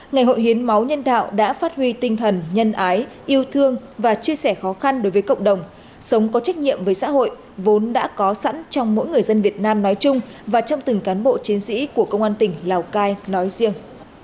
ngày hội hiến máu nhân đạo đã phát huy tinh thần nhân ái yêu thương và chia sẻ khó khăn đối với cộng đồng sống có trách nhiệm với xã hội vốn đã có sẵn trong mỗi người dân việt nam nói chung và trong từng cán bộ chiến sĩ của công an tỉnh lào cai nói riêng